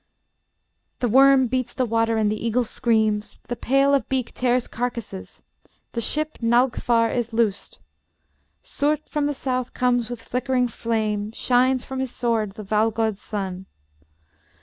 The worm beats the water and the eagle screams; the pale of beak tears carcasses; (the ship) Naglfar is loosed. Surt from the south comes with flickering flame; shines from his sword the Valgod's sun.